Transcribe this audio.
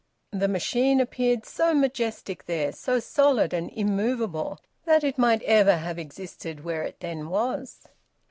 The machine appeared so majestic there, so solid and immovable, that it might ever have existed where it then was.